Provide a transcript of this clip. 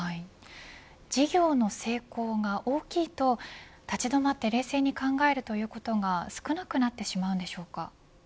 事業の成功が大きいと立ちどまって冷静に考えるということが少なくなってしまうんでしょうか。